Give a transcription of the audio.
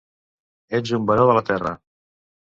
Ets un baró de la terra.